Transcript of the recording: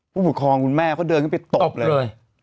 ผู้ปกครองคุณแม่เขาเดินขึ้นไปตบเลย